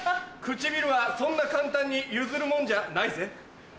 唇はそんな簡単に譲るもんじゃないぜ！